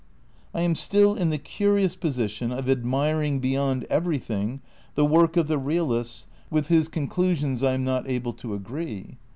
I am still in the curious position of admiring beyond everything the work of the realists with whose con X INTEODUCTION elusions I am not able to agree.